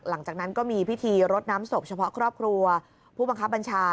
หลังจากนั้นก็มีพิธีรดน้ำศพเฉพาะครอบครัวผู้บังคับบัญชา